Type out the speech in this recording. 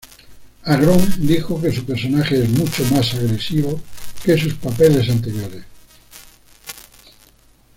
Agron dijo que su personaje es "mucho más agresiva" que sus papeles anteriores.